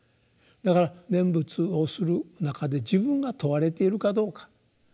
だから念仏をする中で自分が問われているかどうか。